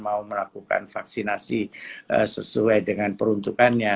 mau melakukan vaksinasi sesuai dengan peruntukannya